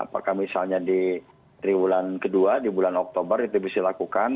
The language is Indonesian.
apakah misalnya di triwulan kedua di bulan oktober itu bisa dilakukan